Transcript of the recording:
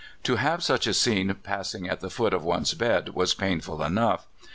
To have such a scene passing at the foot of one's bed was painful enough.